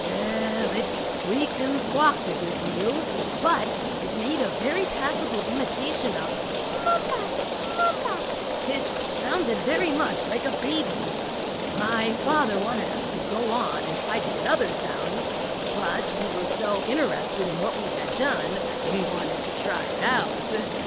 It squeaked and squawked a good deal, but it made a very passable imitation of "Mam ma Mam ma." It sounded very much like a baby. My father wanted us to go on and try to get other sounds, but we were so interested in what we had done we wanted to try it out.